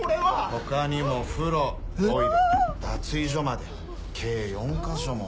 他にも風呂トイレ脱衣所まで計４か所も。